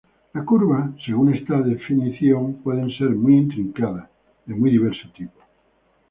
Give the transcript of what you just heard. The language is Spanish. La curva, según esta definición, pueden ser muy intrincadas, de muy diverso tipo.